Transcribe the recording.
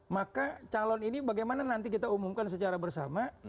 maka calon ini bagaimana nanti kita umumkan secara bersama